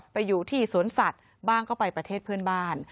ไปอยู่ที่สวนสัตว์บ้างก็ไปประเทศเพื่อนบ้าน